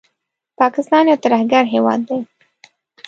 پاکستان یو ترهګر هېواد دی